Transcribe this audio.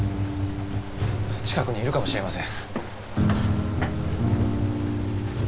近くにいるかもしれません。